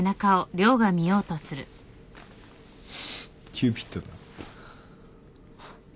キューピッドだ。